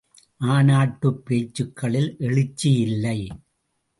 மாநாட்டுப் பேச்சுக்களில் எழுச்சியில்லை!